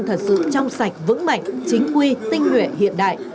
thật sự trong sạch vững mạnh chính quy tinh nguyện hiện đại